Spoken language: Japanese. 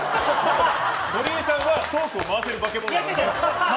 ゴリエさんはトークを回せる化け物。